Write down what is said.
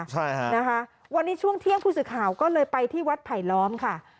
ใช่ค่ะนะคะวันนี้ช่วงเที่ยงผู้สื่อข่าวก็เลยไปที่วัดไผลล้อมค่ะ